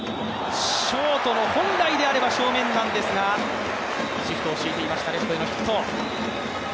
ショートの本来であれば正面なんですが、シフトを敷いていましたレフトへのヒット。